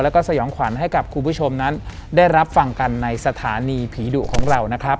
แล้วก็สยองขวัญให้กับคุณผู้ชมนั้นได้รับฟังกันในสถานีผีดุของเรานะครับ